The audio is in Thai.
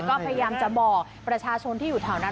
ก็พยายามจะบอกประชาชนที่อยู่แถวนั้น